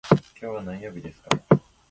今日は何曜日ですか。